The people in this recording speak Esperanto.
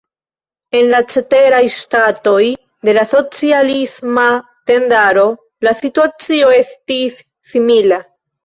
En la ceteraj ŝtatoj de la socialisma tendaro la situacio estis simila.